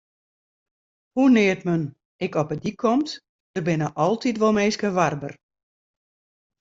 Hoenear't men ek op 'e dyk komt, der binne altyd wol minsken warber.